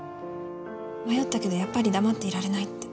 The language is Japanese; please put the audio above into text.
迷ったけどやっぱり黙っていられないって。